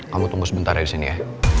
kamu tunggu sebentar ya disini ya